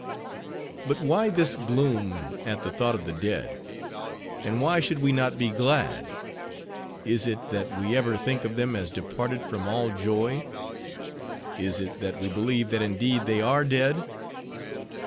But why this gloom at the thought of the dead? And why should we not be glad? Is it, that we ever think of them as departed from all joy? Is it, that we believe that indeed they are dead?